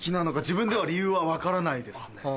自分では理由は分からないですね。